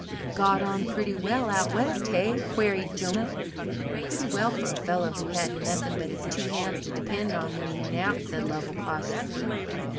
"Got on pretty well out west, hey?" queried Jonah. "Pretty well for a fellow who had nothing but his two hands to depend on when he went out," said Lovell cautiously.